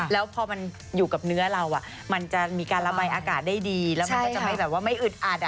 แล้วพอมันอยู่กับเนื้อเรามันจะมีการระบายอากาศได้ดีแล้วมันก็จะไม่แบบว่าไม่อึดอัด